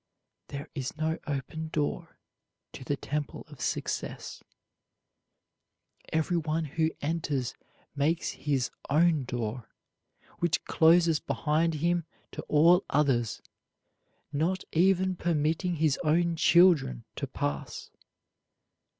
There is no open door to the temple of success. Everyone who enters makes his own door, which closes behind him to all others, not even permitting his own children to pass.